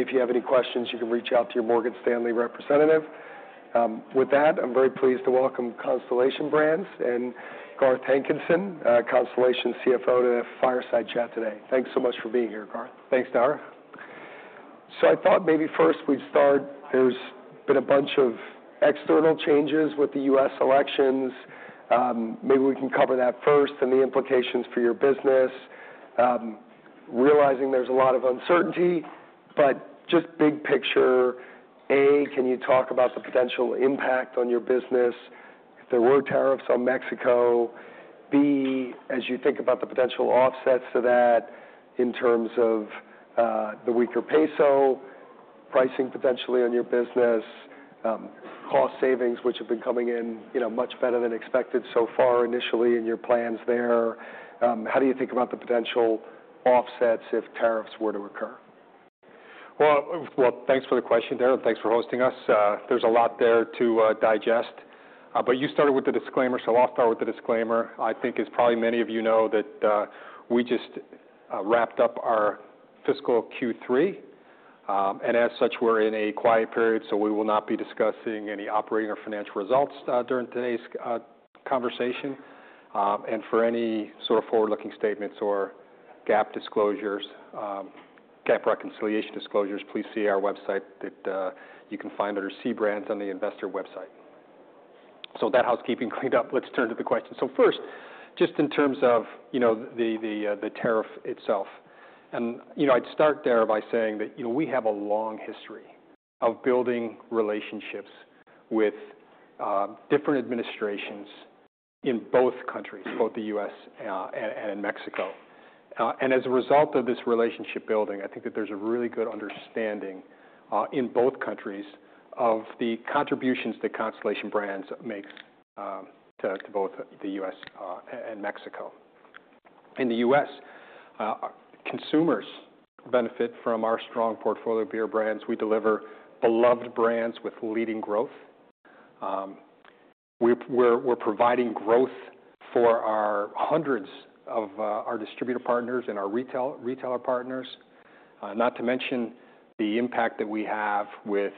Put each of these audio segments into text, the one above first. And if you have any questions, you can reach out to your Morgan Stanley representative. With that, I'm very pleased to welcome Constellation Brands and Garth Hankinson, Constellation CFO, to the fireside chat today. Thanks so much for being here, Garth. Thanks, Dara. So I thought maybe first we'd start. There's been a bunch of external changes with the U.S. elections. Maybe we can cover that first and the implications for your business. Realizing there's a lot of uncertainty, but just big picture, A, can you talk about the potential impact on your business if there were tariffs on Mexico? B, as you think about the potential offsets to that in terms of, the weaker peso pricing potentially on your business, cost savings which have been coming in, you know, much better than expected so far initially in your plans there. How do you think about the potential offsets if tariffs were to occur? Well, well, thanks for the question, Dara, and thanks for hosting us. There's a lot there to digest. But you started with the disclaimer, so I'll start with the disclaimer. I think as probably many of you know that we just wrapped up our fiscal Q3. And as such, we're in a quiet period, so we will not be discussing any operating or financial results during today's conversation. And for any sort of forward-looking statements or GAAP disclosures, GAAP reconciliation disclosures, please see our website that you can find under STZ on the investor website. So with that housekeeping cleaned up, let's turn to the question. First, just in terms of, you know, the tariff itself, and, you know, I'd start there by saying that, you know, we have a long history of building relationships with different administrations in both countries, both the U.S. and in Mexico. And as a result of this relationship building, I think that there's a really good understanding in both countries of the contributions that Constellation Brands makes to both the U.S. and Mexico. In the U.S., consumers benefit from our strong portfolio of beer brands. We deliver beloved brands with leading growth. We're providing growth for our distributor partners and our retailer partners, not to mention the impact that we have with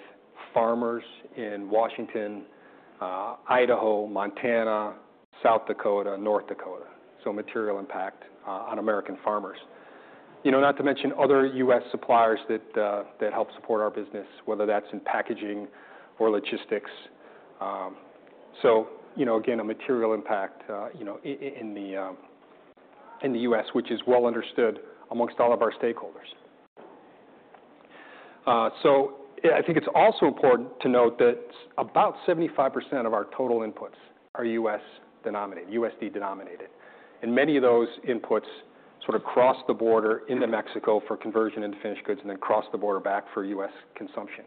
farmers in Washington, Idaho, Montana, South Dakota, North Dakota. So material impact on American farmers. You know, not to mention other U.S. Suppliers that help support our business, whether that's in packaging or logistics. You know, again, a material impact, you know, in the U.S., which is well understood among all of our stakeholders. I think it's also important to note that about 75% of our total inputs are U.S. denominated, USD-denominated. Many of those inputs sort of cross the border into Mexico for conversion into finished goods and then cross the border back for U.S. consumption.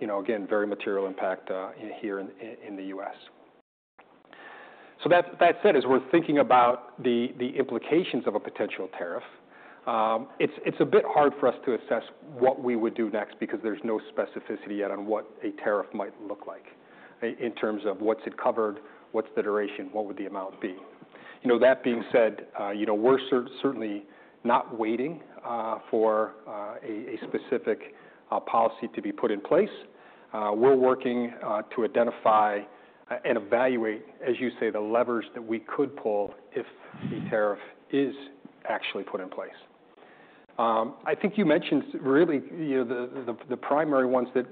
You know, again, very material impact here in the U.S. That said, as we're thinking about the implications of a potential tariff, it's a bit hard for us to assess what we would do next because there's no specificity yet on what a tariff might look like in terms of what's it covered, what's the duration, what would the amount be. You know, that being said, you know, we're certainly not waiting for a specific policy to be put in place. We're working to identify and evaluate, as you say, the levers that we could pull if the tariff is actually put in place. I think you mentioned really, you know, the primary ones that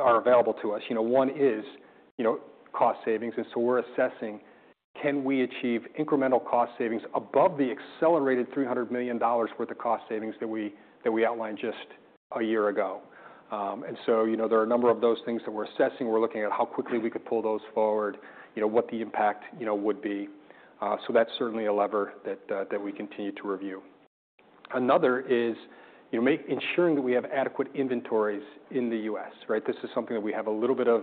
are available to us. You know, one is, you know, cost savings. And so we're assessing can we achieve incremental cost savings above the accelerated $300 million worth of cost savings that we outlined just a year ago. And so, you know, there are a number of those things that we're assessing. We're looking at how quickly we could pull those forward, you know, what the impact, you know, would be. So that's certainly a lever that we continue to review. Another is, you know, making sure that we have adequate inventories in the U.S., right? This is something that we have a little bit of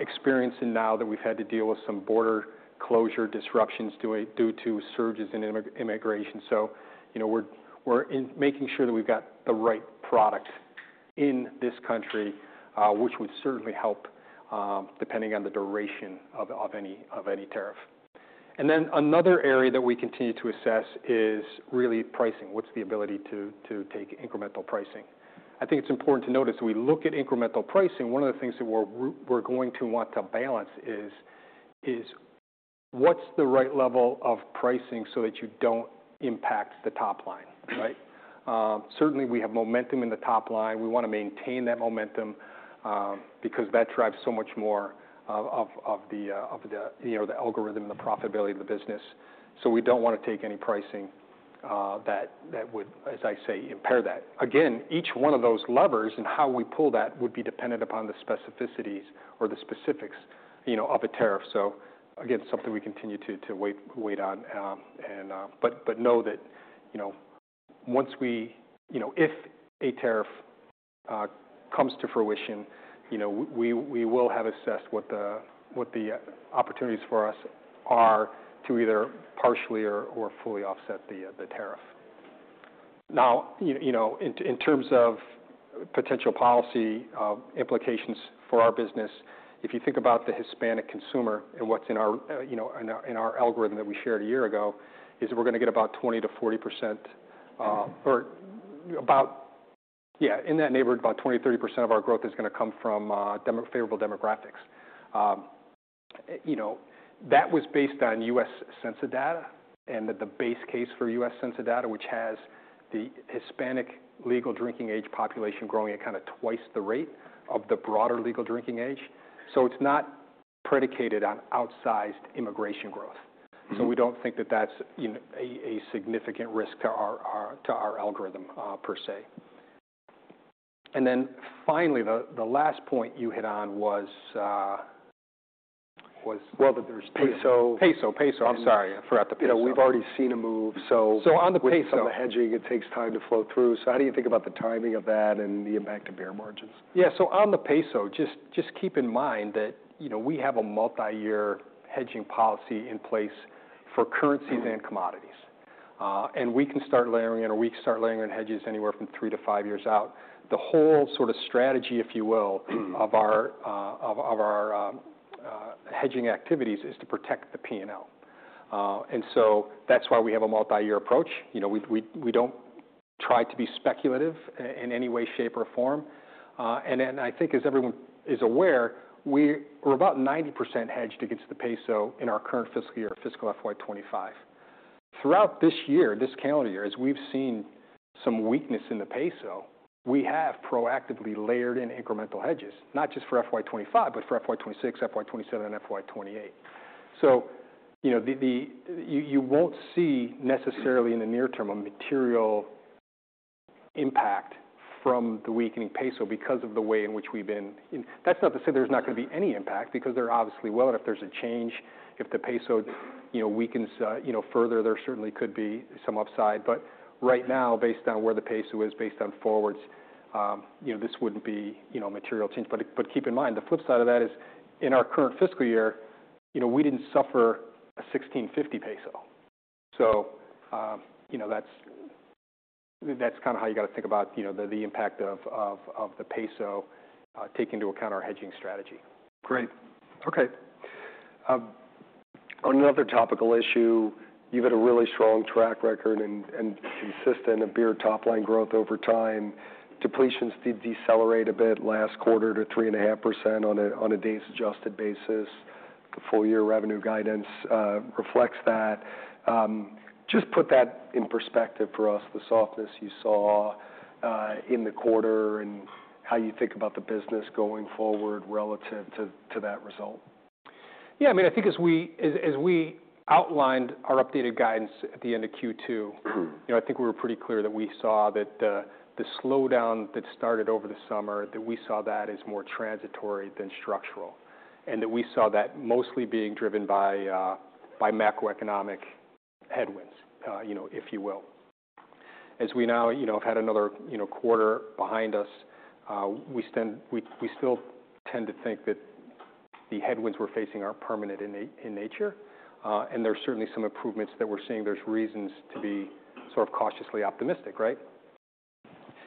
experience in now that we've had to deal with some border closure disruptions due to surges in immigration. So, you know, we're making sure that we've got the right product in this country, which would certainly help, depending on the duration of any tariff. And then another area that we continue to assess is really pricing. What's the ability to take incremental pricing? I think it's important to note we look at incremental pricing. One of the things that we're going to want to balance is what's the right level of pricing so that you don't impact the top line, right? Certainly we have momentum in the top line. We wanna maintain that momentum, because that drives so much more of the you know, the algorithm and the profitability of the business. So we don't wanna take any pricing that would, as I say, impair that. Again, each one of those levers and how we pull that would be dependent upon the specificities or the specifics, you know, of a tariff. So again, something we continue to wait on, but know that, you know, once we, you know, if a tariff comes to fruition, you know, we will have assessed what the opportunities for us are to either partially or fully offset the tariff. Now, you know, in terms of potential policy implications for our business, if you think about the Hispanic consumer and what's in our, you know, in our algorithm that we shared a year ago, is we're gonna get about 20%-40%, or about, yeah, in that neighborhood, about 20%-30% of our growth is gonna come from demo favorable demographics. You know, that was based on U.S. census data and the base case for U.S. census data, which has the Hispanic legal drinking age population growing at kinda twice the rate of the broader legal drinking age. So it's not predicated on outsized immigration growth. So we don't think that that's, you know, a significant risk to our, to our algorithm, per se. And then finally, the last point you hit on was. Well, there's peso. Peso. I'm sorry. I forgot the peso. You know, we've already seen a move, so. So, on the peso. With some of the hedging, it takes time to flow through. So how do you think about the timing of that and the impact to beer margins? Yeah. So on the peso, just keep in mind that, you know, we have a multi-year hedging policy in place for currencies and commodities. We can start layering in hedges anywhere from three to five years out. The whole sort of strategy, if you will, of our hedging activities is to protect the P&L. So that's why we have a multi-year approach. You know, we don't try to be speculative in any way, shape, or form. Then I think as everyone is aware, we're about 90% hedged against the peso in our current fiscal year, fiscal FY25. Throughout this year, this calendar year, as we've seen some weakness in the peso, we have proactively layered in incremental hedges, not just for FY25, but for FY26, FY27, and FY28. So, you know, you won't see necessarily in the near term a material impact from the weakening peso because of the way in which we've been. That's not to say there's not gonna be any impact because there obviously, well, if there's a change, if the peso, you know, weakens, you know, further, there certainly could be some upside. But right now, based on where the peso is, based on forwards, you know, this wouldn't be, you know, a material change. But keep in mind, the flip side of that is in our current fiscal year, you know, we didn't suffer a 16.50 peso. So, you know, that's kinda how you gotta think about, you know, the impact of the peso, taking into account our hedging strategy. Great. Okay. On another topical issue, you've had a really strong track record and, and consistent beer top line growth over time. Depletions did decelerate a bit last quarter to 3.5% on a, on a days-adjusted basis. The full-year revenue guidance reflects that. Just put that in perspective for us, the softness you saw in the quarter and how you think about the business going forward relative to, to that result. Yeah. I mean, I think as we outlined our updated guidance at the end of Q2. You know, I think we were pretty clear that we saw that the slowdown that started over the summer, that we saw that as more transitory than structural, and that we saw that mostly being driven by macroeconomic headwinds, you know, if you will. As we now, you know, have had another, you know, quarter behind us, we still tend to think that the headwinds we're facing are permanent in nature, and there's certainly some improvements that we're seeing. There's reasons to be sort of cautiously optimistic, right?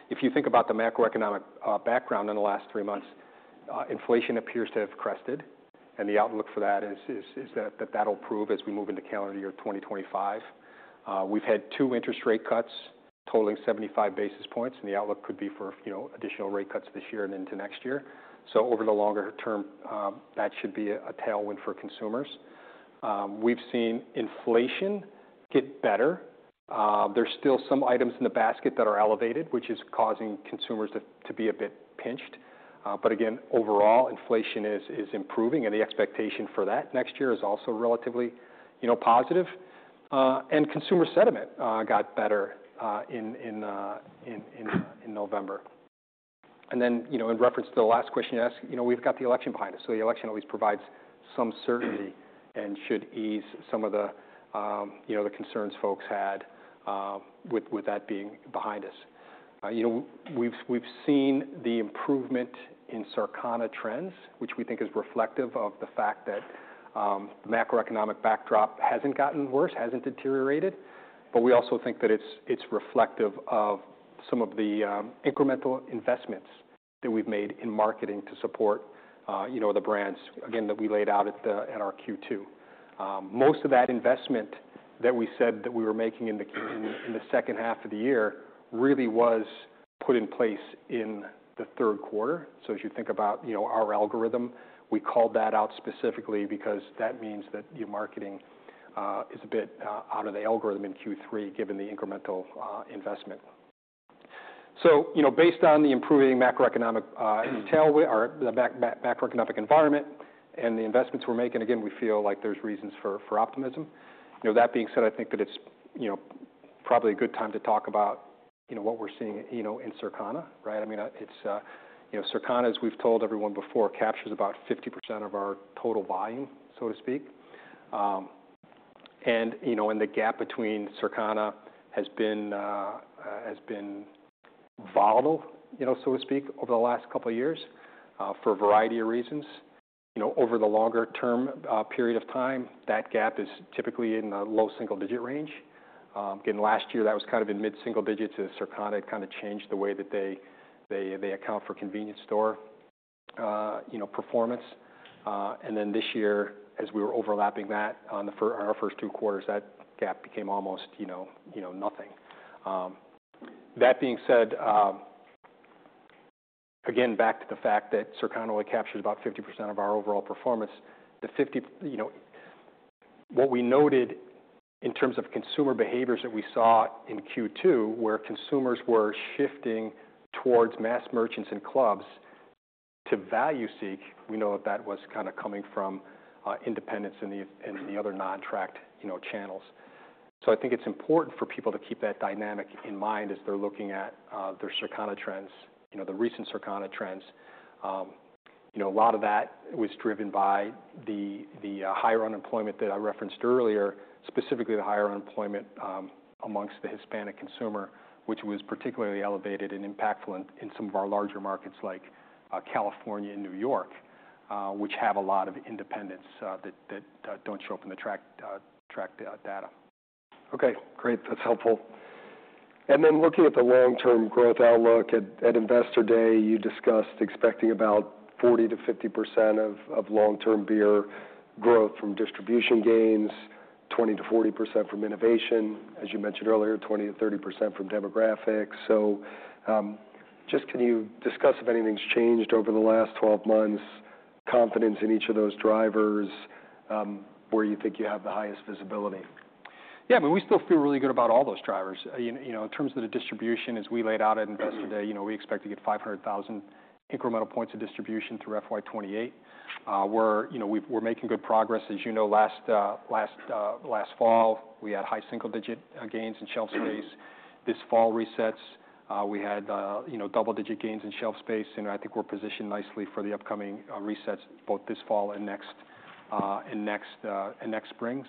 If you think about the macroeconomic background in the last three months, inflation appears to have crested, and the outlook for that is that that'll prove as we move into calendar year 2025. We've had two interest rate cuts totaling 75 basis points, and the outlook could be for, you know, additional rate cuts this year and into next year, so over the longer term, that should be a tailwind for consumers. We've seen inflation get better. There's still some items in the basket that are elevated, which is causing consumers to be a bit pinched, but again, overall, inflation is improving, and the expectation for that next year is also relatively, you know, positive, and consumer sentiment got better in November, and then, you know, in reference to the last question you asked, you know, we've got the election behind us, so the election always provides some certainty and should ease some of the, you know, the concerns folks had with that being behind us. You know, we've seen the improvement in Circana trends, which we think is reflective of the fact that the macroeconomic backdrop hasn't gotten worse, hasn't deteriorated, but we also think that it's reflective of some of the incremental investments that we've made in marketing to support, you know, the brands, again, that we laid out at our Q2. Most of that investment that we said that we were making in the second half of the year really was put in place in the third quarter. So as you think about, you know, our algorithm, we called that out specifically because that means that, you know, marketing is a bit out of the algorithm in Q3 given the incremental investment. So, you know, based on the improving macroeconomic tailwind or the macroeconomic environment and the investments we're making, again, we feel like there's reasons for optimism. You know, that being said, I think that it's, you know, probably a good time to talk about, you know, what we're seeing, you know, in Circana, right? I mean, it's, you know, Circana, as we've told everyone before, captures about 50% of our total volume, so to speak. And, you know, the gap between Circana has been volatile, you know, so to speak, over the last couple of years, for a variety of reasons. You know, over the longer term period of time, that gap is typically in the low single-digit range. Again, last year, that was kind of in mid-single digits. Circana kinda changed the way that they account for convenience store, you know, performance. And then this year, as we were overlapping that on the, for our first two quarters, that gap became almost, you know, nothing. That being said, again, back to the fact that Circana only captured about 50% of our overall performance, the 50%, you know, what we noted in terms of consumer behaviors that we saw in Q2 where consumers were shifting towards mass merchants and clubs to value-seek, we know that that was kinda coming from independents and the other non-tracked, you know, channels. So I think it's important for people to keep that dynamic in mind as they're looking at their Circana trends, you know, the recent Circana trends. You know, a lot of that was driven by the higher unemployment that I referenced earlier, specifically the higher unemployment among the Hispanic consumer, which was particularly elevated and impactful in some of our larger markets like California and New York, which have a lot of independents that don't show up in the track data. Okay. Great. That's helpful. And then looking at the long-term growth outlook at Investor Day, you discussed expecting about 40%-50% of long-term beer growth from distribution gains, 20%-40% from innovation, as you mentioned earlier, 20%-30% from demographics. So, just can you discuss if anything's changed over the last 12 months, confidence in each of those drivers, where you think you have the highest visibility? Yeah. I mean, we still feel really good about all those drivers. You know, in terms of the distribution, as we laid out at Investor Day, you know, we expect to get 500,000 incremental points of distribution through FY28. We're making good progress. As you know, last fall, we had high single-digit gains in shelf space. This fall resets. We had double-digit gains in shelf space, and I think we're positioned nicely for the upcoming resets both this fall and next spring.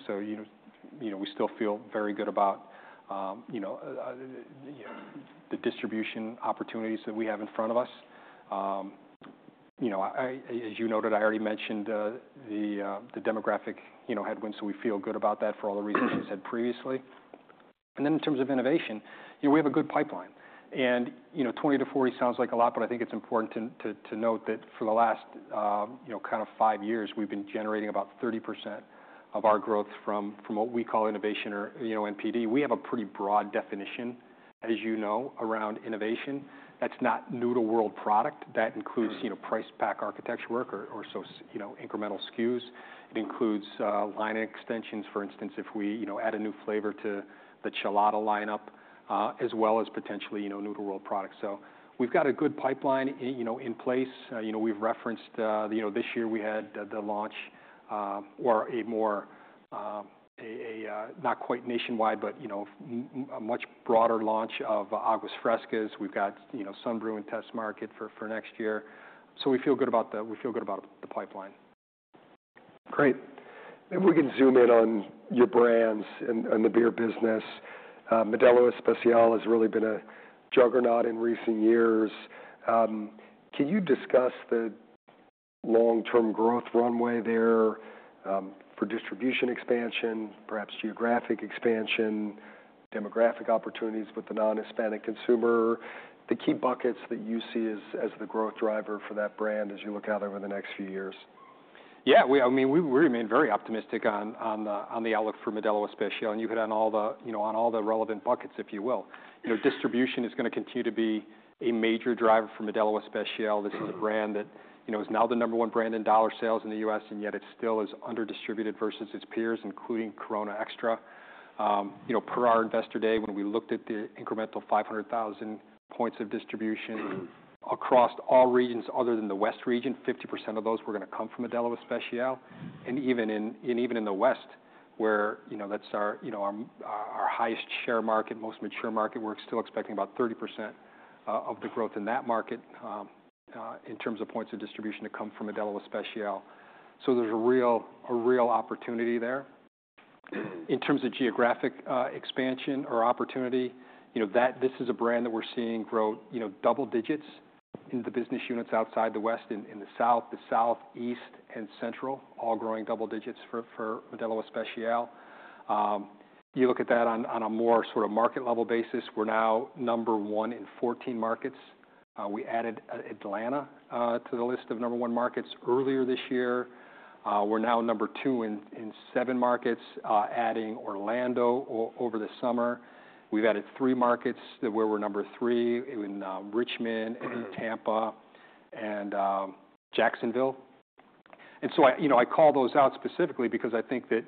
You know, we still feel very good about the distribution opportunities that we have in front of us. You know, as you noted, I already mentioned the demographic headwinds. We feel good about that for all the reasons you said previously. And then in terms of innovation, you know, we have a good pipeline. And, you know, 20 to 40 sounds like a lot, but I think it's important to note that for the last, you know, kind of five years, we've been generating about 30% of our growth from what we call innovation or, you know, NPD. We have a pretty broad definition, as you know, around innovation. That's not new-to-world product. That includes, you know, price pack architecture work or so, you know, incremental SKUs. It includes line extensions, for instance, if we, you know, add a new flavor to the Chelada lineup, as well as potentially, you know, new-to-world products. So we've got a good pipeline, you know, in place. You know, we've referenced, you know, this year we had the launch or a more of a not quite nationwide, but you know a much broader launch of Aguas Frescas. We've got, you know, Sunbrew and test market for next year. So we feel good about the pipeline. Great. If we can zoom in on your brands and the beer business, Modelo Especial has really been a juggernaut in recent years. Can you discuss the long-term growth runway there, for distribution expansion, perhaps geographic expansion, demographic opportunities with the non-Hispanic consumer, the key buckets that you see as the growth driver for that brand as you look out over the next few years? Yeah. We, I mean, we remain very optimistic on the outlook for Modelo Especial, and you hit on all the you know relevant buckets, if you will. You know, distribution is gonna continue to be a major driver for Modelo Especial. This is a brand that, you know, is now the number one brand in dollar sales in the U.S., and yet it still is under-distributed versus its peers, including Corona Extra. You know, per our Investor Day, when we looked at the incremental 500,000 points of distribution across all regions other than the West region, 50% of those were gonna come from Modelo Especial. Even in the West, where, you know, that's our, you know, our highest share market, most mature market, we're still expecting about 30% of the growth in that market, in terms of points of distribution to come from Modelo Especial. So there's a real opportunity there. In terms of geographic expansion or opportunity, you know, that this is a brand that we're seeing grow, you know, double digits in the business units outside the West and in the South, East, and Central, all growing double digits for Modelo Especial. You look at that on a more sort of market-level basis, we're now number one in 14 markets. We added Atlanta to the list of number one markets earlier this year. We're now number two in seven markets, adding Orlando over the summer. We've added three markets where we're number three in, Richmond and Tampa and Jacksonville. And so I, you know, I call those out specifically because I think that,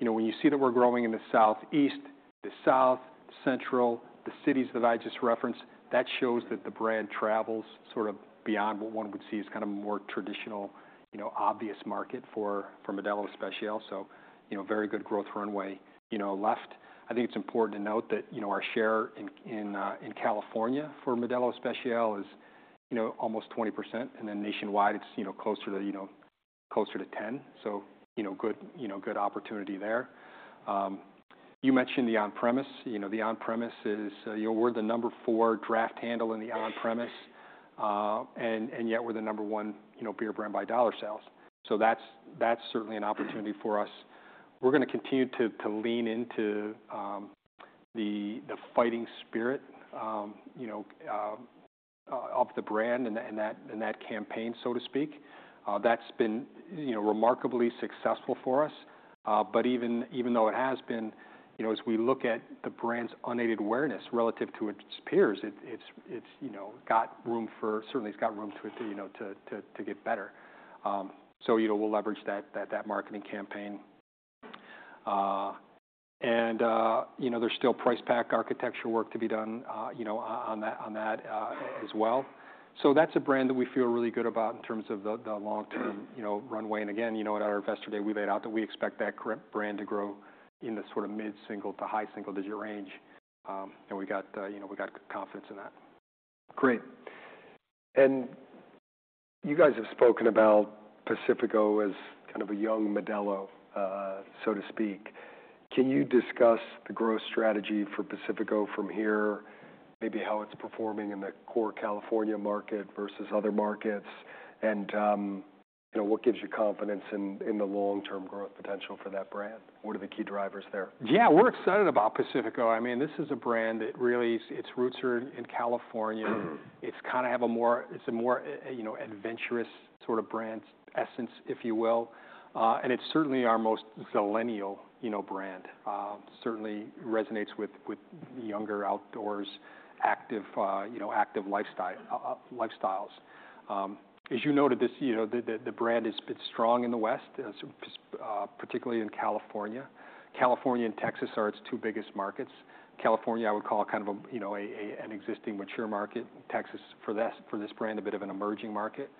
you know, when you see that we're growing in the Southeast, the South Central, the cities that I just referenced, that shows that the brand travels sort of beyond what one would see as kind of a more traditional, you know, obvious market for Modelo Especial. So, you know, very good growth runway. You know, also, I think it's important to note that, you know, our share in California for Modelo Especial is, you know, almost 20%, and then nationwide, it's, you know, closer to 10%. So, you know, good opportunity there. You mentioned the on-premise. You know, the on-premise is, you know, we're the number four draft handle in the on-premise, and yet we're the number one, you know, beer brand by dollar sales. So that's certainly an opportunity for us. We're gonna continue to lean into the Fighting Spirit, you know, of the brand and that campaign, so to speak. That's been, you know, remarkably successful for us. But even though it has been, you know, as we look at the brand's unaided awareness relative to its peers, it's got room to get better. So, you know, we'll leverage that marketing campaign. And, you know, there's still price pack architecture work to be done, you know, on that, as well. So that's a brand that we feel really good about in terms of the long-term, you know, runway. And again, you know, at our Investor Day, we laid out that we expect that brand to grow in the sort of mid-single to high single-digit range. And we got, you know, we got confidence in that. Great. And you guys have spoken about Pacifico as kind of a young Modelo, so to speak. Can you discuss the growth strategy for Pacifico from here, maybe how it's performing in the core California market versus other markets? And, you know, what gives you confidence in, in the long-term growth potential for that brand? What are the key drivers there? Yeah. We're excited about Pacifico. I mean, this is a brand that really, its roots are in California. It's kind of have a more, it's a more, you know, adventurous sort of brand essence, if you will. And it's certainly our most millennial, you know, brand. It certainly resonates with younger outdoors active, you know, active lifestyle, lifestyles. As you noted this, you know, the brand has been strong in the West, particularly in California. California and Texas are its two biggest markets. California, I would call it kind of a, you know, an existing mature market. Texas for this brand, a bit of an emerging market.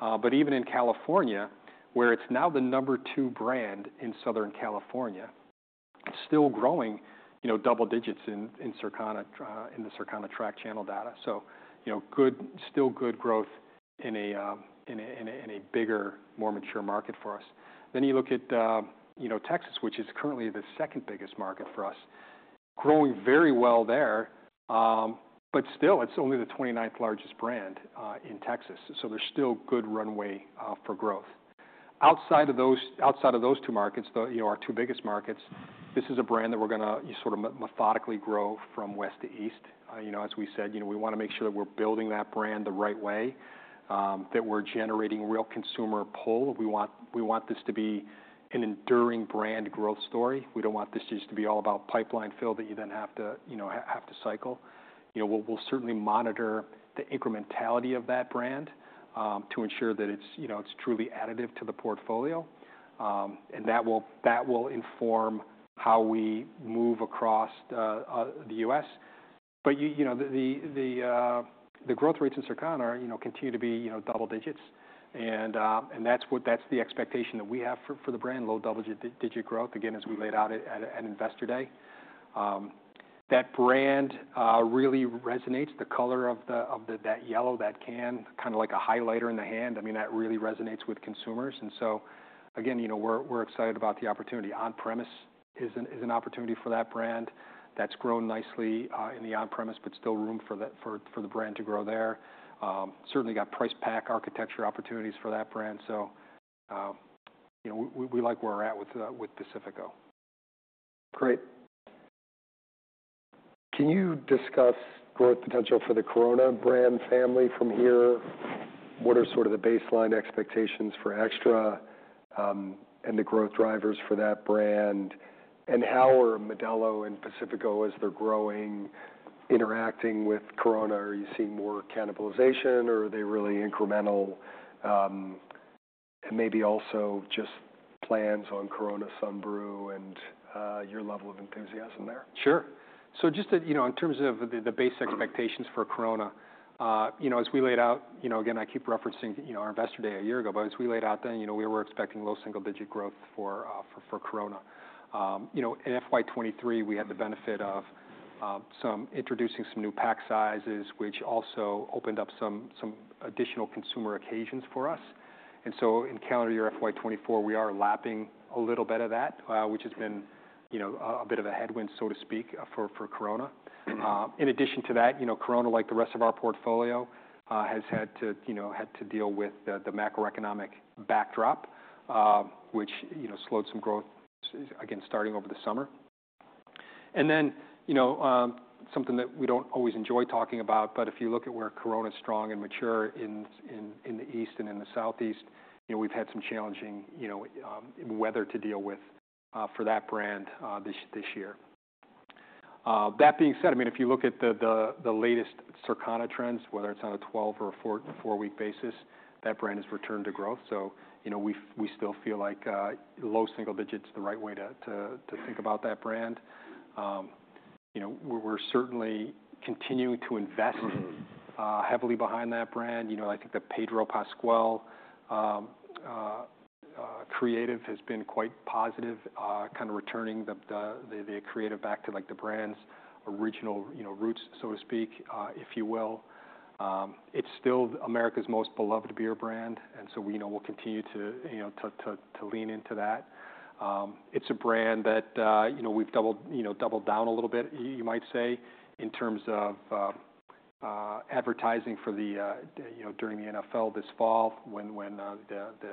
But even in California, where it's now the number two brand in Southern California, still growing, you know, double digits in Circana, in the Circana track channel data. So, you know, good, still good growth in a bigger, more mature market for us. Then you look at, you know, Texas, which is currently the second biggest market for us, growing very well there. But still, it's only the 29th largest brand in Texas. So there's still good runway for growth. Outside of those two markets, though, you know, our two biggest markets, this is a brand that we're gonna you sort of methodically grow from West to East. You know, as we said, you know, we wanna make sure that we're building that brand the right way, that we're generating real consumer pull. We want this to be an enduring brand growth story. We don't want this just to be all about pipeline fill that you then have to, you know, have to cycle. You know, we'll certainly monitor the incrementality of that brand, to ensure that it's, you know, it's truly additive to the portfolio. And that will inform how we move across the U.S. But you know, the growth rates in Circana continue to be, you know, double digits. And that's what, that's the expectation that we have for the brand, low double-digit growth. Again, as we laid out at Investor Day, that brand really resonates. The color of that yellow, that can, kinda like a highlighter in the hand. I mean, that really resonates with consumers. And so again, you know, we're excited about the opportunity. On-premise is an opportunity for that brand that's grown nicely in the on-premise, but still room for the brand to grow there. Certainly got price pack architecture opportunities for that brand. So, you know, we like where we're at with Pacifico. Great. Can you discuss growth potential for the Corona brand family from here? What are sort of the baseline expectations for Extra, and the growth drivers for that brand? And how are Modelo and Pacifico as they're growing, interacting with Corona? Are you seeing more cannibalization, or are they really incremental, and maybe also just plans on Corona Sunbrew and, your level of enthusiasm there? Sure. So just to, you know, in terms of the base expectations for Corona, you know, as we laid out, you know, again, I keep referencing, you know, our Investor Day a year ago, but as we laid out then, you know, we were expecting low single-digit growth for Corona. You know, in FY23, we had the benefit of us introducing some new pack sizes, which also opened up some additional consumer occasions for us. So in calendar year FY24, we are lapping a little bit of that, which has been, you know, a bit of a headwind, so to speak, for Corona. In addition to that, you know, Corona, like the rest of our portfolio, has had to deal with the macroeconomic backdrop, which, you know, slowed some growth, again, starting over the summer. And then, you know, something that we don't always enjoy talking about, but if you look at where Corona's strong and mature in the East and in the Southeast, you know, we've had some challenging, you know, weather to deal with for that brand this year. That being said, I mean, if you look at the latest Circana trends, whether it's on a 12 or a 4-week basis, that brand has returned to growth. So, you know, we still feel like low single digit's the right way to think about that brand. You know, we're certainly continuing to invest heavily behind that brand. You know, I think that Pedro Pascal creative has been quite positive, kinda returning the creative back to like the brand's original, you know, roots, so to speak, if you will. It's still America's most beloved beer brand, and so we, you know, we'll continue to, you know, to lean into that. It's a brand that, you know, we've doubled, you know, doubled down a little bit, you might say, in terms of advertising for the, you know, during the NFL this fall when the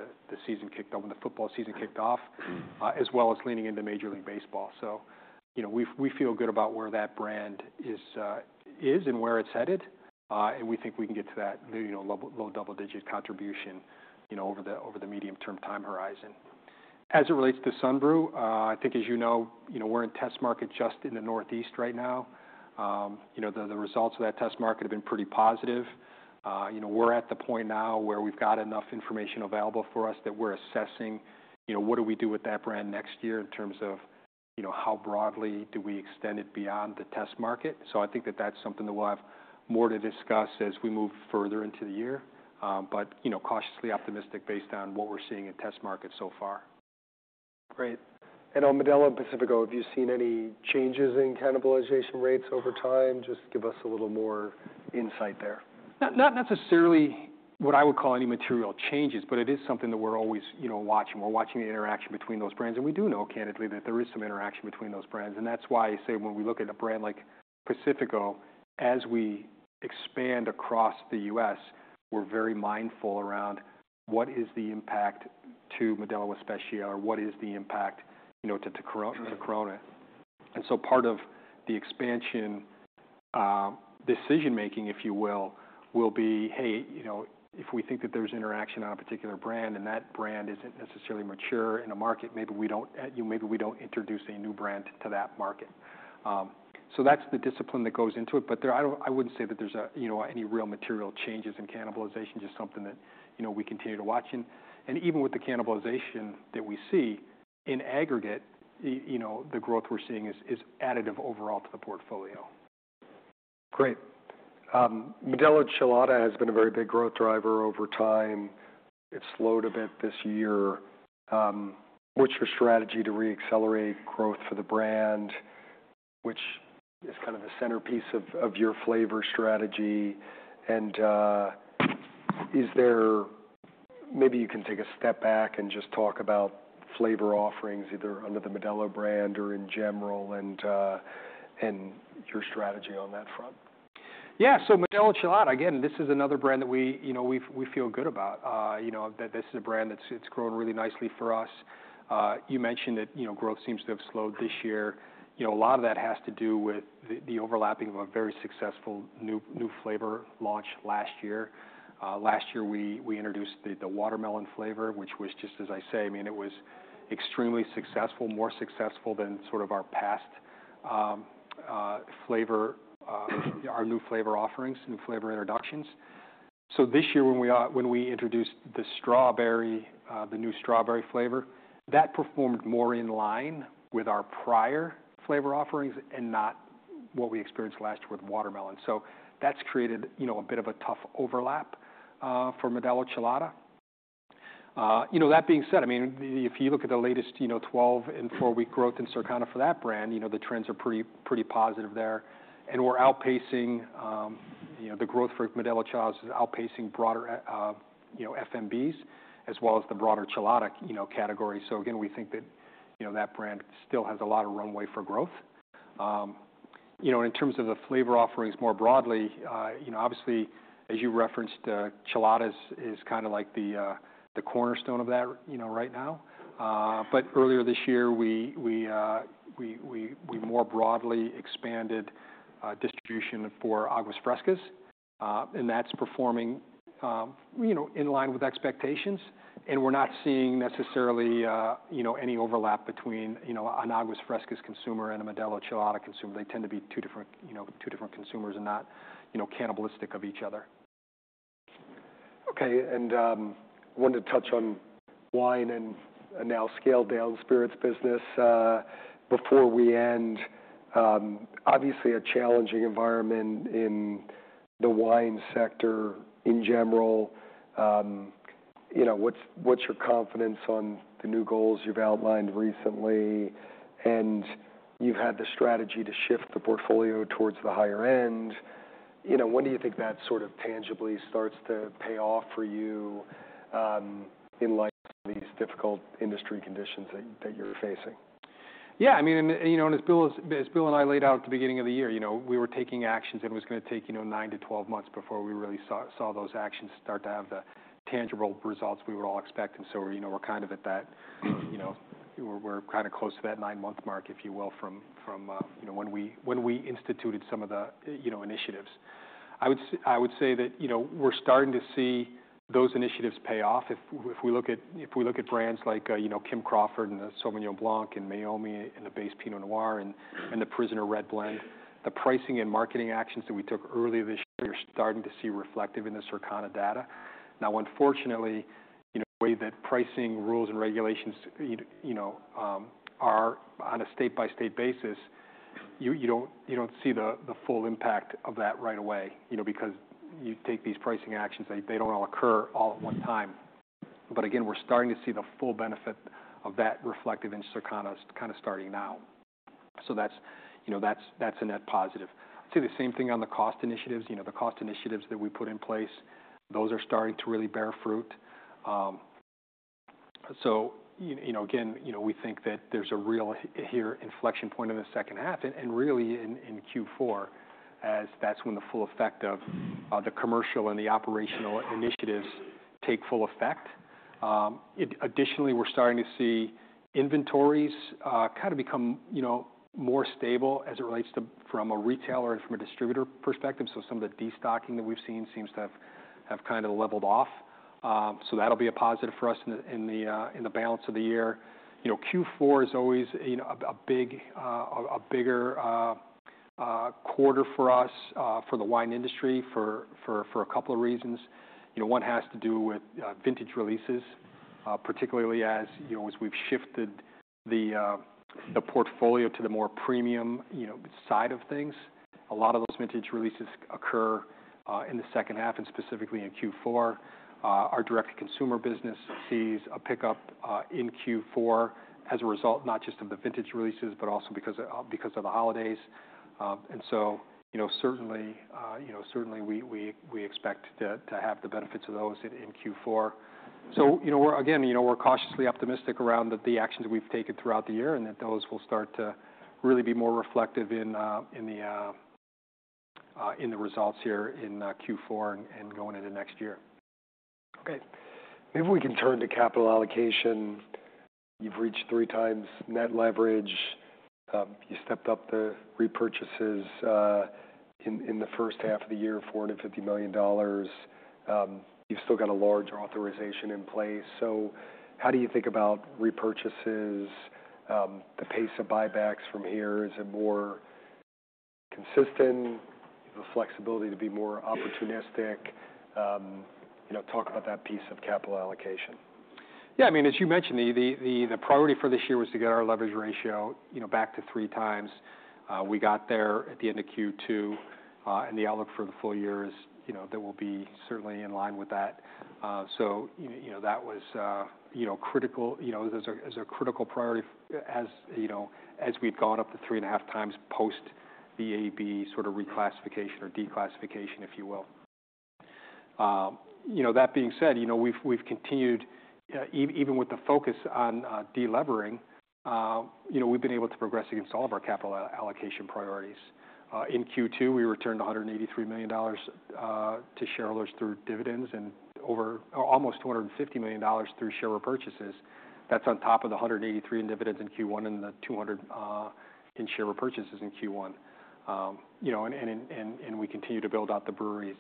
football season kicked off, as well as leaning into Major League Baseball. So, you know, we feel good about where that brand is and where it's headed, and we think we can get to that, you know, low double-digit contribution, you know, over the medium-term time horizon. As it relates to Sunbrew, I think, as you know, you know, we're in test market just in the Northeast right now. You know, the results of that test market have been pretty positive. You know, we're at the point now where we've got enough information available for us that we're assessing, you know, what do we do with that brand next year in terms of, you know, how broadly do we extend it beyond the test market. So I think that that's something that we'll have more to discuss as we move further into the year. But, you know, cautiously optimistic based on what we're seeing in test market so far. Great. And on Modelo and Pacifico, have you seen any changes in cannibalization rates over time? Just give us a little more insight there. Not, not necessarily what I would call any material changes, but it is something that we're always, you know, watching. We're watching the interaction between those brands. And we do know, candidly, that there is some interaction between those brands. And that's why I say when we look at a brand like Pacifico, as we expand across the U.S., we're very mindful around what is the impact to Modelo Especial or what is the impact, you know, to, to Corona, to Corona. And so part of the expansion, decision-making, if you will, will be, hey, you know, if we think that there's interaction on a particular brand and that brand isn't necessarily mature in a market, maybe we don't, you know, maybe we don't introduce a new brand to that market, so that's the discipline that goes into it. But I wouldn't say that there's, you know, any real material changes in cannibalization, just something that, you know, we continue to watch. And even with the cannibalization that we see in aggregate, you know, the growth we're seeing is additive overall to the portfolio. Great. Modelo Chelada has been a very big growth driver over time. It's slowed a bit this year. What's your strategy to re-accelerate growth for the brand, which is kind of the centerpiece of, of your flavor strategy? And, is there maybe you can take a step back and just talk about flavor offerings either under the Modelo brand or in general and, and your strategy on that front? Yeah. So Modelo Chelada, again, this is another brand that we, you know, feel good about. You know, this is a brand that's grown really nicely for us. You mentioned that, you know, growth seems to have slowed this year. You know, a lot of that has to do with the overlapping of a very successful new flavor launch last year. Last year, we introduced the watermelon flavor, which was just, I mean, it was extremely successful, more successful than sort of our past flavor, our new flavor offerings, new flavor introductions. So this year, when we introduced the strawberry, the new strawberry flavor, that performed more in line with our prior flavor offerings and not what we experienced last year with watermelon. So that's created a bit of a tough overlap for Modelo Chelada. You know, that being said, I mean, if you look at the latest 12- and 4-week growth in Circana for that brand, you know, the trends are pretty positive there. And we're outpacing. You know, the growth for Modelo Chelada is outpacing broader FMBs as well as the broader Chelada category. So again, we think that you know, that brand still has a lot of runway for growth. You know, in terms of the flavor offerings more broadly, you know, obviously, as you referenced, Chelada is kinda like the cornerstone of that right now. But earlier this year, we more broadly expanded distribution for Aguas Frescas. And that's performing you know, in line with expectations. And we're not seeing necessarily, you know, any overlap between, you know, an Aguas Frescas consumer and a Modelo Chelada consumer. They tend to be two different, you know, two different consumers and not, you know, cannibalistic of each other. Okay, and wanted to touch on wine and now scaled down spirits business before we end. Obviously a challenging environment in the wine sector in general. You know, what's your confidence on the new goals you've outlined recently, and you've had the strategy to shift the portfolio towards the higher end. You know, when do you think that sort of tangibly starts to pay off for you, in light of these difficult industry conditions that you're facing? Yeah. I mean, and, you know, and as Bill and I laid out at the beginning of the year, you know, we were taking actions and it was gonna take, you know, nine to 12 months before we really saw those actions start to have the tangible results we would all expect. And so, you know, we're kind of at that, you know, we're kinda close to that nine-month mark, if you will, from, you know, when we instituted some of the, you know, initiatives. I would say that, you know, we're starting to see those initiatives pay off if we look at brands like, you know, Kim Crawford and the Sauvignon Blanc and Meiomi and the base Pinot Noir and the Prisoner Red Blend. The pricing and marketing actions that we took earlier this year, you're starting to see reflected in the Circana data. Now, unfortunately, you know, the way that pricing rules and regulations, you know, are on a state-by-state basis, you don't see the full impact of that right away, you know, because you take these pricing actions, they don't all occur all at one time. But again, we're starting to see the full benefit of that reflected in Circana kinda starting now. So that's, you know, that's a net positive. I'd say the same thing on the cost initiatives. You know, the cost initiatives that we put in place, those are starting to really bear fruit. So, you know, you know, again, you know, we think that there's a real here inflection point in the second half and, and really in, in Q4, as that's when the full effect of, the commercial and the operational initiatives take full effect. Additionally, we're starting to see inventories, kinda become, you know, more stable as it relates to from a retailer and from a distributor perspective. So some of the destocking that we've seen seems to have kinda leveled off. So that'll be a positive for us in the balance of the year. You know, Q4 is always, you know, a bigger quarter for us, for the wine industry for a couple of reasons. You know, one has to do with vintage releases, particularly as, you know, as we've shifted the portfolio to the more premium, you know, side of things. A lot of those vintage releases occur in the second half and specifically in Q4. Our direct-to-consumer business sees a pickup in Q4 as a result, not just of the vintage releases, but also because of the holidays, and so, you know, certainly we expect to have the benefits of those in Q4, so you know, we're again cautiously optimistic around the actions we've taken throughout the year and that those will start to really be more reflective in the results here in Q4 and going into next year. Okay. Maybe we can turn to capital allocation. You've reached three times net leverage. You stepped up the repurchases in the first half of the year, $450 million. You've still got a large authorization in place. So how do you think about repurchases? The pace of buybacks from here, is it more consistent? The flexibility to be more opportunistic? You know, talk about that piece of capital allocation. Yeah. I mean, as you mentioned, the priority for this year was to get our leverage ratio, you know, back to three times. We got there at the end of Q2. And the outlook for the full year is, you know, that will be certainly in line with that. So, you know, that was, you know, critical, you know, as a critical priority as, you know, as we've gone up to three and a half times post the AB sort of reclassification or declassification, if you will. You know, that being said, you know, we've continued, even with the focus on delevering, you know, we've been able to progress against all of our capital allocation priorities. In Q2, we returned $183 million to shareholders through dividends and over or almost $250 million through share repurchases. That's on top of the $183 in dividends in Q1 and the $200 in share repurchases in Q1. You know, and we continue to build out the breweries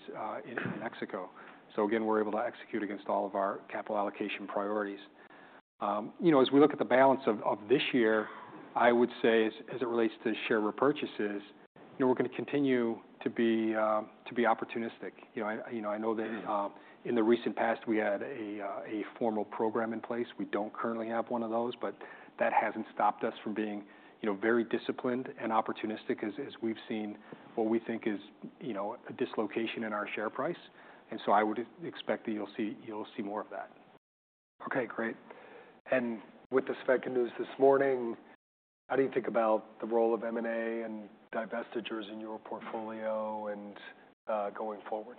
in Mexico. So again, we're able to execute against all of our capital allocation priorities. You know, as we look at the balance of this year, I would say as it relates to share repurchases, you know, we're gonna continue to be opportunistic. You know, I know that in the recent past, we had a formal program in place. We don't currently have one of those, but that hasn't stopped us from being, you know, very disciplined and opportunistic as we've seen what we think is, you know, a dislocation in our share price. And so I would expect that you'll see more of that. Okay. Great. And with the Svedka news this morning, how do you think about the role of M&A and divestitures in your portfolio and, going forward?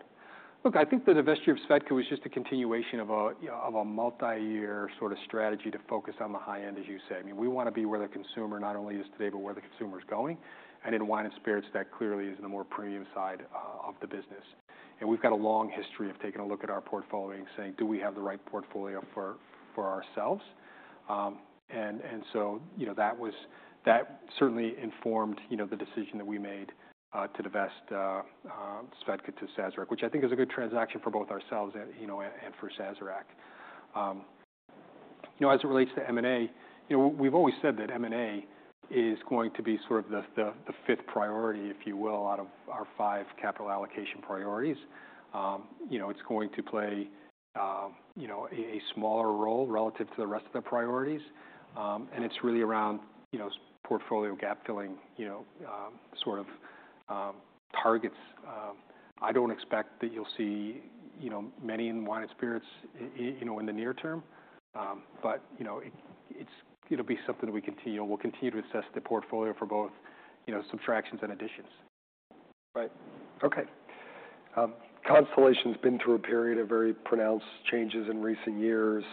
Look, I think the divestiture of Svedka was just a continuation of a, you know, multi-year sort of strategy to focus on the high end, as you say. I mean, we wanna be where the consumer not only is today, but where the consumer's going, and in wine and spirits, that clearly is in the more premium side of the business, and we've got a long history of taking a look at our portfolio and saying, "Do we have the right portfolio for ourselves?" and so, you know, that certainly informed the decision that we made to divest Svedka to Sazerac, which I think is a good transaction for both ourselves and, you know, for Sazerac. You know, as it relates to M&A, you know, we've always said that M&A is going to be sort of the fifth priority, if you will, out of our five capital allocation priorities. You know, it's going to play, you know, a smaller role relative to the rest of the priorities, and it's really around, you know, portfolio gap filling, you know, sort of targets. I don't expect that you'll see, you know, many in wine and spirits, you know, in the near term, but, you know, it's something that we'll continue to assess the portfolio for both, you know, subtractions and additions. Right. Okay. Constellation's been through a period of very pronounced changes in recent years,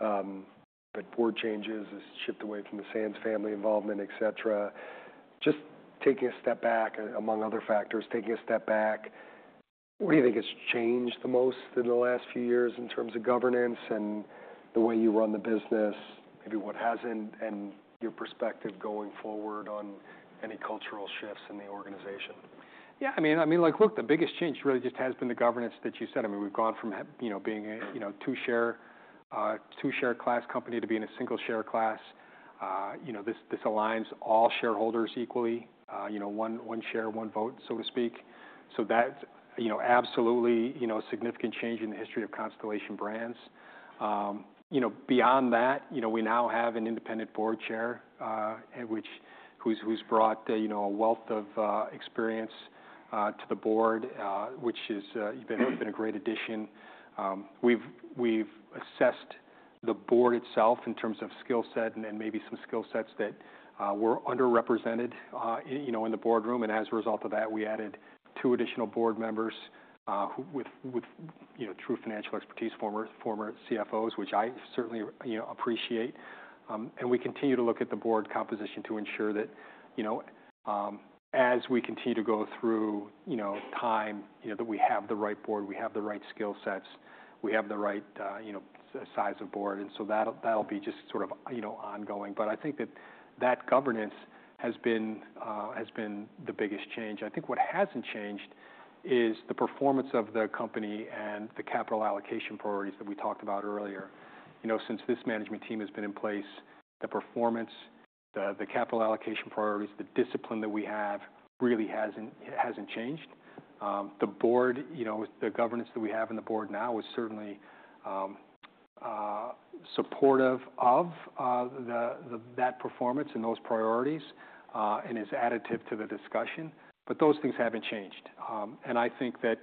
but board changes has shifted away from the Sands Family involvement, etc. Just taking a step back, among other factors, taking a step back, what do you think has changed the most in the last few years in terms of governance and the way you run the business, maybe what hasn't, and your perspective going forward on any cultural shifts in the organization? Yeah. I mean, like, look, the biggest change really just has been the governance that you said. I mean, we've gone from, you know, being a, you know, two-share class company to being a single-share class. You know, this aligns all shareholders equally, you know, one share, one vote, so to speak. So that's, you know, absolutely, you know, a significant change in the history of Constellation Brands. You know, beyond that, you know, we now have an independent board chair, which who's brought, you know, a wealth of experience to the board, which is, you've been a great addition. We've assessed the board itself in terms of skill set and maybe some skill sets that were underrepresented, you know, in the boardroom. As a result of that, we added two additional board members, who, with you know, true financial expertise, former CFOs, which I certainly you know, appreciate. We continue to look at the board composition to ensure that, you know, as we continue to go through, you know, time, you know, that we have the right board, we have the right skill sets, we have the right, you know, size of board. So that'll be just sort of, you know, ongoing. But I think that governance has been the biggest change. I think what hasn't changed is the performance of the company and the capital allocation priorities that we talked about earlier. You know, since this management team has been in place, the performance, the capital allocation priorities, the discipline that we have really hasn't changed. the board, you know, the governance that we have in the board now is certainly supportive of the performance and those priorities, and is additive to the discussion. But those things haven't changed. I think that,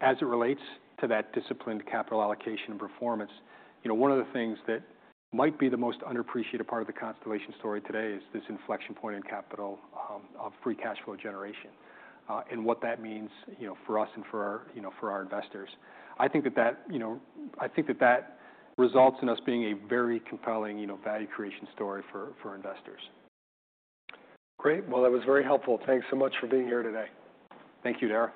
as it relates to that disciplined capital allocation and performance, you know, one of the things that might be the most underappreciated part of the Constellation story today is this inflection point in capital of free cash flow generation, and what that means, you know, for us and for our investors. I think that results in us being a very compelling value creation story for investors. Great. Well, that was very helpful. Thanks so much for being here today. Thank you, Dara.